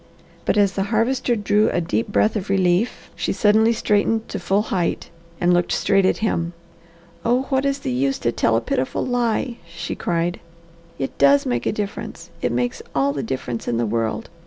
But as the Harvester drew a deep breath of relief, she suddenly straightened to full height and looked straight at him. "Oh what is the use to tell a pitiful lie!" she cried. "It does make a difference! It makes all the difference in the world!